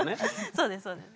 そうですそうです。